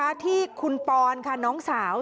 อัตรฐานที่คุณปอนด์ค่ะน้องสาว